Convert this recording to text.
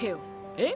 えっ？